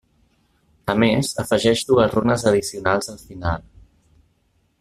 A més, afegeix dues runes addicionals al final.